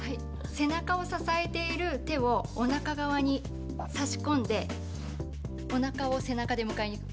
背中を支えている手をおなか側に差し込んでおなかを背中で迎えに行く。